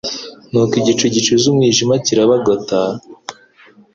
Nuko igicu gicuze umwijima kirabagota,